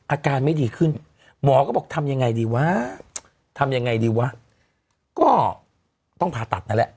อาการไม่ดีขึ้นหมอก็บอกทำยังไงดีวะทำยังไงดีวะก็ต้องผ่าตัดนั่นแหละ